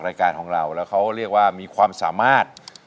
สักครู่เดียวครับ